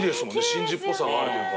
真珠っぽさがあるというか。